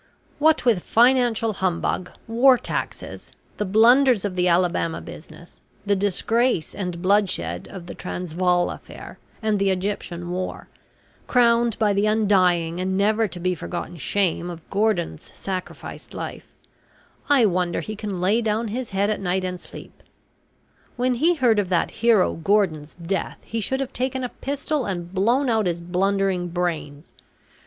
What with financial humbug, war taxes the blunders of the Alabama business the disgrace and bloodshed of the Transvaal affair and the Egyptian war crowned by the undying and never to be forgotten shame of Gordon's sacrificed life, I wonder he can lay down his head at night and sleep. When he heard of that hero Gordon's death he should have taken a pistol and blown out his blundering brains.